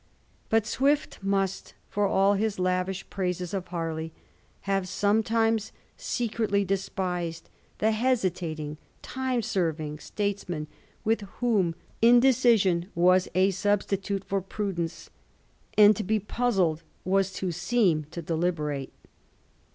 But Swift must, for all his lavish praises of Harley, have some times secretly despised the hesitating, time serving statesman, with whom indecision was a substitute for prudence, and to be puzzled was to seem to deliberate.